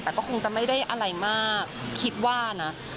แต่ก็คงจะไม่ได้อะไรมากคิดว่านะ